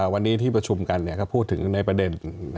วันนี้ที่ประชุมกันก็พูดถึงในประเด็น